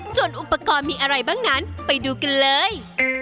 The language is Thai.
ส่วนอุปกรณ์มีอะไรบ้างนั้นไปดูกันเลย